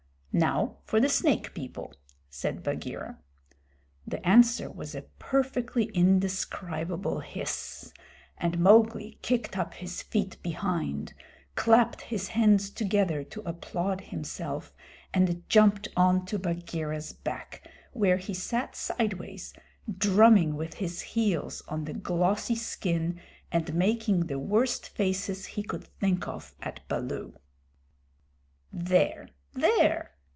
"Now for the Snake People," said Bagheera. The answer was a perfectly indescribable hiss, and Mowgli kicked up his feet behind, clapped his hands together to applaud himself, and jumped on to Bagheera's back, where he sat sideways, drumming with his heels on the glossy skin and making the worst faces he could think of at Baloo. "There there!